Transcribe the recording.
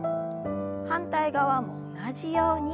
反対側も同じように。